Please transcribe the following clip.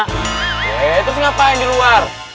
terus ngapain di luar